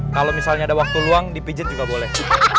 kalau misalnya ada waktu luang dipijit juga boleh